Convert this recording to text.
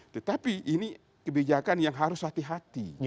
tetapi ini kebijakan yang harus hati hati